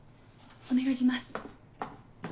お願いします。